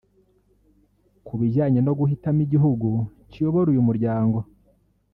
Ku bijyanye no guhitamo igihugu kiyobora uyu muryango